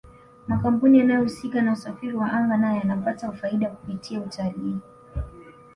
makampuni yanayohusika na usafiri wa anga nayo yanapata faida kupitia utalii